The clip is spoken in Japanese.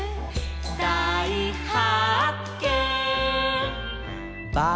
「だいはっけん！」